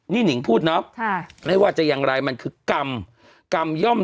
นี่หนิงพูดเนาะไม่ว่าจะอย่างไรมันคือกรรมกรรมย่อม